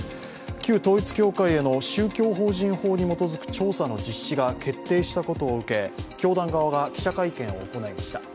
旧統一教会への宗教法人法に基づく調査の実施が決定したことを受け、教団側が記者会見を行いました。